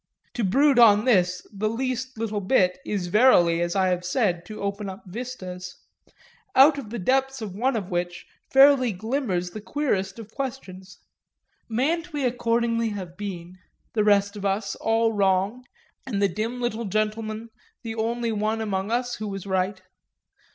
To brood on this the least little bit is verily, as I have said, to open up vistas out of the depths of one of which fairly glimmers the queerest of questions. Mayn't we accordingly have been, the rest of us, all wrong, and the dim little gentleman the only one among us who was right?